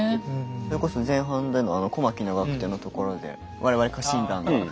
それこそ前半でのあの小牧・長久手のところで我々家臣団が。